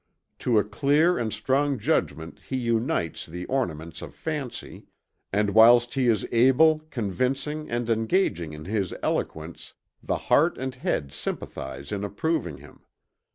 To a clear and strong judgment he unites the ornaments of fancy, and whilst he is able, convincing, and engaging in his eloquence the Heart and Head sympathize in approving him.